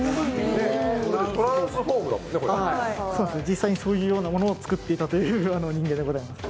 実際にそういうようなものを作っていたという人間でございます